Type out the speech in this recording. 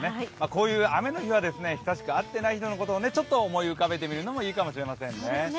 こういう雨の日は久しく会っていない人をちょっと思い浮かべてみるのもいいかもしれませんね。